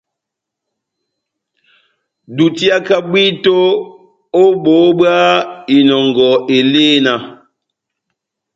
Dutiaka bwito ó boho bwa inɔngɔ elena.